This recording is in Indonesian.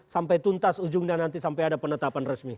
sampai tuntas ujungnya nanti sampai ada penetapan resmi